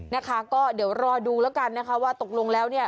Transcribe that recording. นะคะก็เดี๋ยวรอดูแล้วกันนะคะว่าตกลงแล้วเนี่ย